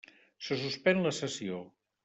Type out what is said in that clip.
Se suspèn la sessió.